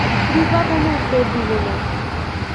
রূপা কোনো উত্তর দিল না।